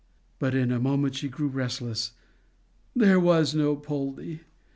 But in a moment she grew restless. There was no Poldie!